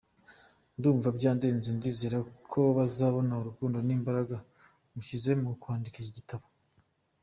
Ndumva byandenze, ndizera ko bazabona urukundo n’imbaraga nashyize mu kwandika iki gitabo.